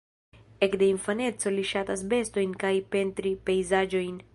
Ekde infaneco li ŝatas bestojn kaj pentri pejzaĝojn.